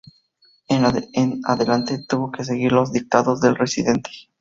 En adelante tuvo que seguir los dictados del residente.